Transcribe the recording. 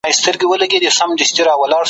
په دې عواملو کي یو هم نه وي `